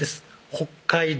北海道